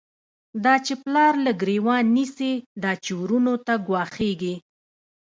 دا چی پلار له گریوان نیسی، دا چی وروڼو ته گوا ښیږی